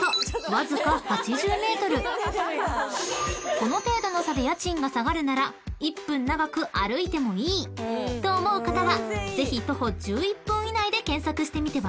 ［この程度の差で家賃が下がるなら１分長く歩いてもいいと思う方はぜひ徒歩１１分以内で検索してみては？］